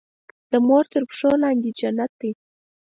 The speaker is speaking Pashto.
د مور تر پښو لاندې جنت دی.